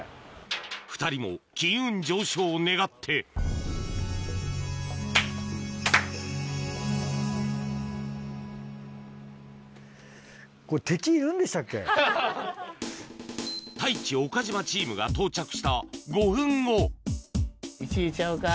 ２人も金運上昇を願って太一・岡島チームが到着した１位ちゃうか？